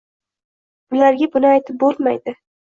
Bularga buni aytib bo‘lmaydi.